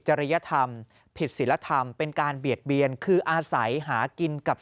ริยธรรมผิดศิลธรรมเป็นการเบียดเบียนคืออาศัยหากินกับ